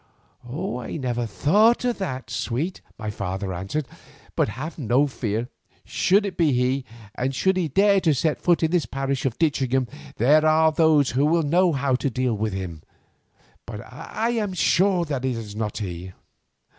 "I never thought of that, sweet," my father answered; "but have no fear. Should it be he, and should he dare to set foot in the parish of Ditchingham, there are those who will know how to deal with him. But I am sure that it is not he."